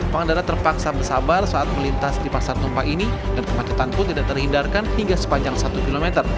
pengendara terpaksa bersabar saat melintas di pasar tumpah ini dan kemacetan pun tidak terhindarkan hingga sepanjang satu km